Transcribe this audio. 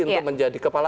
untuk menjadi kepala